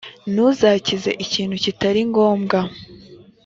ntuzakize ikintu kitaringombwa.